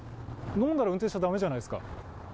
飲んだら運転しちゃだめじゃないですか。